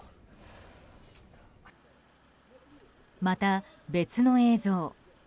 また、別の映像。